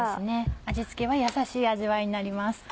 味付けはやさしい味わいになります。